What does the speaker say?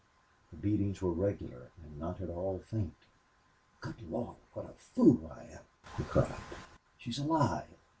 The beatings were regular and not at all faint. "Good Lord, what a fool I am!" he cried. "She's alive!